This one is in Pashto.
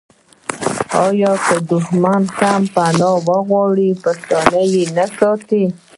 آیا که دښمن هم پنا وغواړي پښتون یې نه ساتي؟